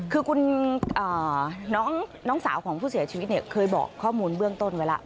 คือคุณน้องสาวของผู้เสียชีวิตเนี่ยเคยบอกข้อมูลเบื้องต้นไว้แล้ว